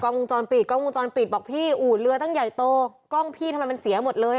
วงจรปิดกล้องวงจรปิดบอกพี่อู่เรือตั้งใหญ่โตกล้องพี่ทำไมมันเสียหมดเลย